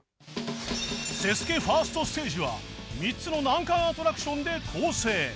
ＳＥＳＵＫＥ１ｓｔ ステージは３つの難関アトラクションで構成